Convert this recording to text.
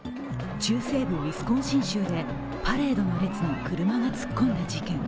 中西部ウィスコンシン州でパレードの列に車が突っ込んだ事件。